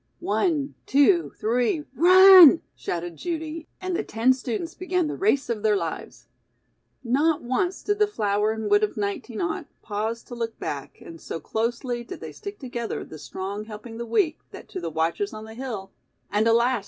"One, two, three, run!" shouted Judy, and the ten students began the race of their lives. Not once did the flower and wit of 19 pause to look back, and so closely did they stick together, the strong helping the weak, that to the watchers on the hill and, alas!